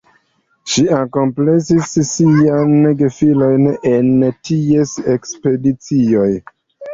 Ŝi akompanis siajn gefilojn en ties ekspedicioj.